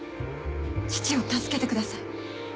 父を助けてください。